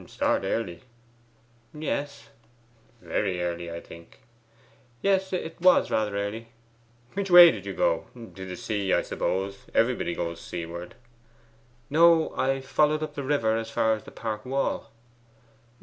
'Start early?' 'Yes.' 'Very early, I think?' 'Yes, it was rather early.' 'Which way did you go? To the sea, I suppose. Everybody goes seaward.' 'No; I followed up the river as far as the park wall.